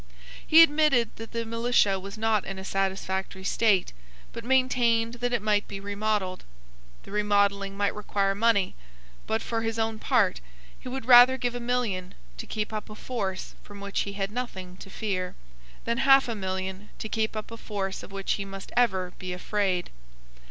He admitted that the militia was not in a satisfactory state, but maintained that it might be remodelled. The remodelling might require money; but, for his own part, he would rather give a million to keep up a force from which he had nothing to fear, than half a million to keep up a force of which he must ever be afraid.